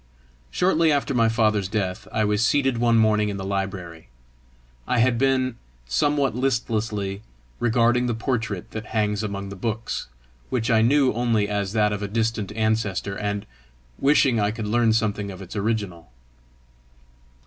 Shortly after my father's death, I was seated one morning in the library. I had been, somewhat listlessly, regarding the portrait that hangs among the books, which I knew only as that of a distant ancestor, and wishing I could learn something of its original.